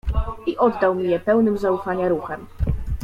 "I oddał mi je pełnym zaufania ruchem."